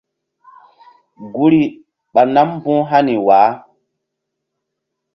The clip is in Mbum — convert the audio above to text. Guri ɓa nam mbu̧h hani wah.